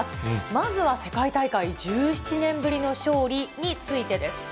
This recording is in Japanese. まずは世界大会１７年ぶりの勝利についてです。